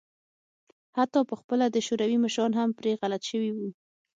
حتی په خپله د شوروي مشران هم پرې غلط شوي وو.